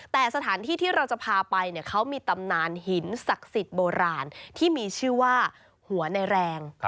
แต่สถานที่ที่เราจะพาไปเนี่ยเขามีตำนานหินศักดิ์สิทธิ์โบราณที่มีชื่อว่าหัวในแรง